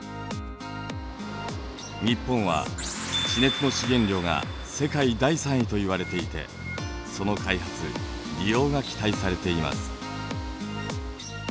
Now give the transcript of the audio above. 日本は地熱の資源量が世界第３位といわれていてその開発利用が期待されています。